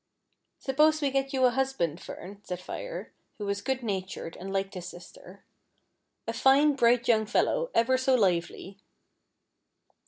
" Suppose we get you a husband. Fern," said Fire, who was good natured, and liked his sister, " a fine bright young fellow, ever so lively